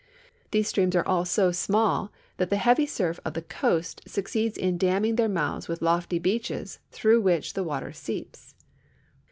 These streams are all so small that the heavy surf of the coast succeeds in damming their mouths with lofty beaches through which the water seeps.